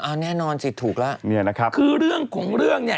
อ่ะอ่ะแน่นอนสิถูกล่ะคือเรื่องของเรื่องเนี่ย